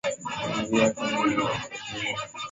kuingia kama vile Chatsworth au Stonehenge na